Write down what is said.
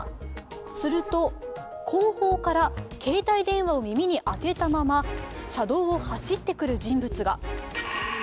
すると、後方から携帯電話を耳に当てたまま車道を走ってくる人物が。